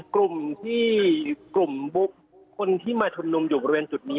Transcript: กลุ่มที่กลุ่มบุ๊กคนที่มาชุมนุมอยู่บริเวณจุดนี้